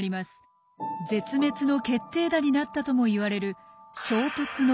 絶滅の決定打になったともいわれる「衝突の冬」です。